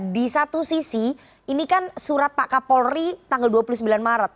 di satu sisi ini kan surat pak kapolri tanggal dua puluh sembilan maret